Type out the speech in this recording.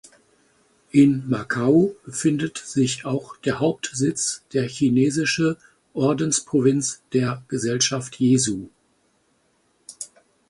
In Macau befindet sich auch der Hauptsitz der Chinesische Ordensprovinz der Gesellschaft Jesu.